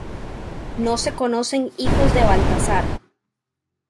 No se conocen hijos de Baltasar.